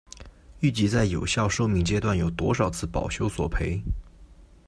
预计在有效寿命阶段有多少次保修索赔？